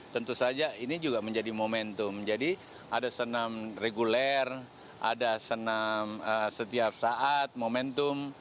tentu saja ini juga menjadi momentum jadi ada senam reguler ada senam setiap saat momentum